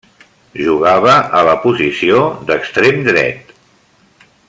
Jugava a la posició d'extrem dret.